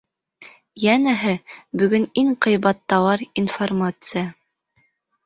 Йәнәһе, бөгөн иң ҡыйбат тауар -информация.